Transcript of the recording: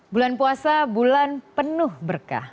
bulan puasa bulan penuh berkah